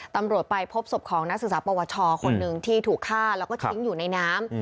ตำรวจไปพบศพของนักศึกษาปวชคนหนึ่งที่ถูกฆ่าแล้วก็ทิ้งอยู่ในน้ำ